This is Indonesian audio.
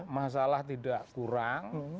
masalah tidak kurang